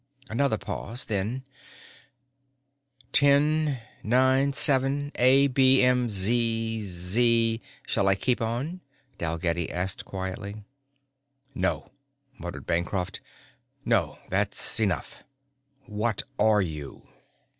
Another pause, then, "'Ten, nine, seven, A, B, M, Z, Z ...' Shall I keep on?" Dalgetty asked quietly. "No," muttered Bancroft. "No, that's enough. What are you?"